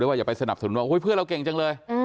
อย่าไปสนับสนุนว่าเพื่อนเราเก่งจังเลย